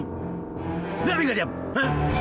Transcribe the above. nggak tinggal diam